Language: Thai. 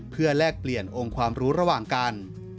เพื่อแลกเปลี่ยนองค์ความรู้ระหว่างกัน